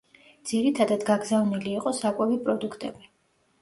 ძირითადად გაგზავნილი იყო საკვები პროდუქტები.